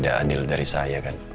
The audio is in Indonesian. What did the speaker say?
ini adalah gendil dari saya kan